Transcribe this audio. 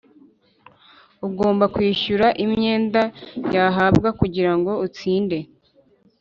ugomba kwishyura imyenda yahabwa kugira ngo utsinde